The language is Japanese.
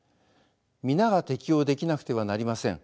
皆が適応できなくてはなりません。